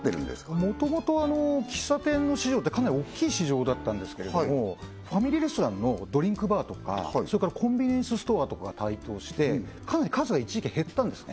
もともと喫茶店の市場ってかなりおっきい市場だったんですけれどもファミリーレストランのドリンクバーとかそれからコンビニエンスストアとかが台頭してかなり数は一時期減ったんですね